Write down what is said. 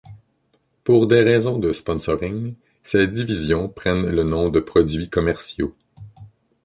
Pour des raisons de sponsoring, ces divisions prennent le nom de produits commerciaux.